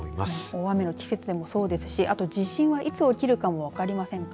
大雨の季節もそうですし地震はいつ起きるかも分かりません。